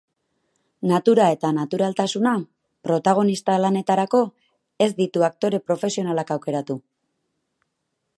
Natura eta naturaltasuna, protagonista lanetarako ez ditu aktore profesionalak aukeratu.